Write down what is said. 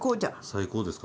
最高ですか？